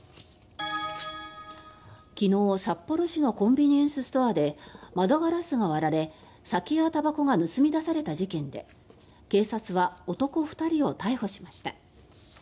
昨日、札幌市のコンビニエンスストアで窓ガラスが割られ酒やたばこが盗み出された事件で警察は男２人を逮捕しました。